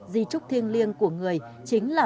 di trúc thiêng liêng của người chính là